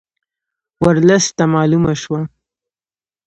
ورلسټ ته معلومه شوه.